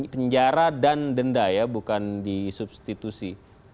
penjara dan denda ya bukan disubstitusi